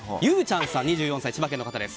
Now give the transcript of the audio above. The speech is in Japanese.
２４歳、千葉県の方。